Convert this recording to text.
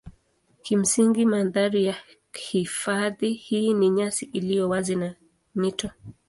Kimsingi mandhari ya hifadhi hii ni nyasi iliyo wazi na mito.